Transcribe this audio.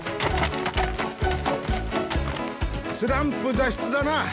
スランプだっ出だな。